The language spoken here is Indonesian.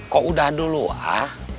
kok udah dulu ah